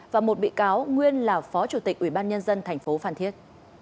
và một bị cáo nguyên là phó chủ tịch ủy ban nhân dân tp phan thiết